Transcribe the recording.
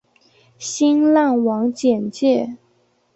新浪网简介